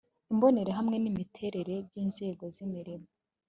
imbonerahamwe n imiterere by inzego z imirimo